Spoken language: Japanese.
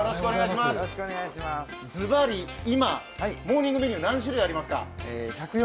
ずばり今、モーニングメニュー何種類ありますか？